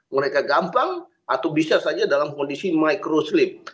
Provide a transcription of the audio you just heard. mereka gampang atau bisa saja dalam kondisi micro slip